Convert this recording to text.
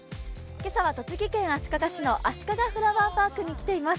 今朝は栃木県足利市のあしかがフラワーパークに来ています。